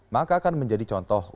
maka akan menjadi contoh